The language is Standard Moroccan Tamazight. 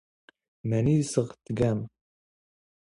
ⵎⴰⵏⵉ ⵣⵖ ⵜⴳⴰⵎ?